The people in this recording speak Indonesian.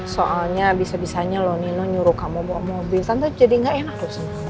soalnya bisa bisanya loh nino nyuruh kamu bawa mobil tante jadi gak enak